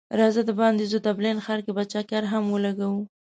راځه د باندی وځو ډبلین ښار کی به چکر هم ولګو